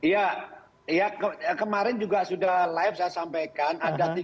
ya kemarin juga sudah live saya sampaikan